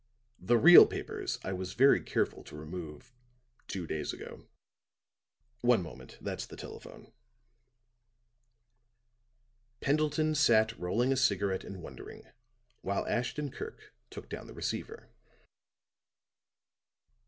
"The real papers I was very careful to remove two days ago. One moment that's the telephone." Pendleton sat rolling a cigarette and wondering, while Ashton Kirk took down the receiver.